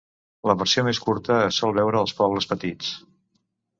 La versió més curta es sol veure als pobles petits.